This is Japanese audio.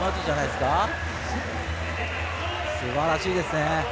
すばらしいですね。